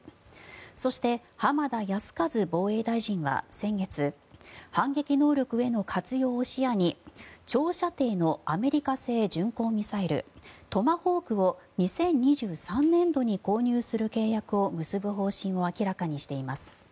そして、浜田靖一防衛大臣は先月反撃能力への活用を視野に長射程のアメリカ製巡航ミサイルトマホークを２０２３年度に購入する契約を結ぶ方針を明らかにしています。